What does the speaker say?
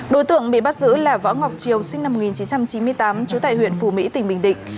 đối tượng bị bắt giữ là võ ngọc triều sinh năm một nghìn chín trăm chín mươi tám trú tại huyện phù mỹ tỉnh bình định